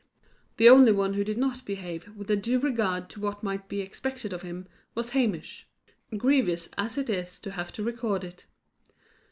The only one who did not behave with a due regard to what might be expected of him, was Hamish grievous as it is to have to record it.